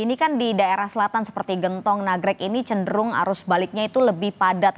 ini kan di daerah selatan seperti gentong nagrek ini cenderung arus baliknya itu lebih padat